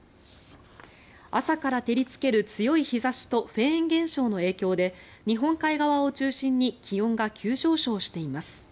朝から照りつける強い日差しとフェーン現象の影響で日本海側を中心に気温が急上昇しています。